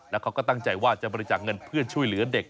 แล้วเขาก็ตั้งใจว่าจะบริจาคเงินเพื่อช่วยเหลือเด็ก